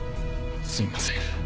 すみません。